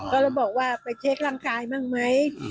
ก็เลยบอกว่าไปเช็คร่างกายบ้างไหม